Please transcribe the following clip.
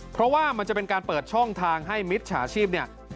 เพราะว่ามันจะเป็นการเปิดช่องทางให้มิจฉาชีพเนี่ย